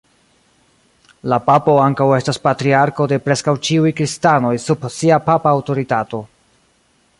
La papo ankaŭ estas patriarko de preskaŭ ĉiuj kristanoj sub sia papa aŭtoritato.